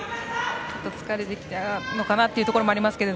ちょっと疲れてきたのかなというのもありますが。